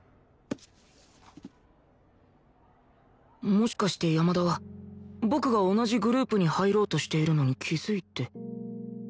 もしかして山田は僕が同じグループに入ろうとしているのに気づいて